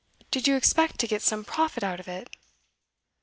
Did you expect to get some profit out of it?